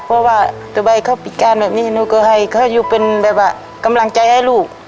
เพราะว่าตัวใบเค้าปิดการนะนี่